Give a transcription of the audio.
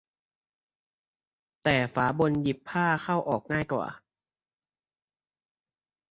แต่ฝาบนหยิบผ้าเข้าออกง่ายกว่า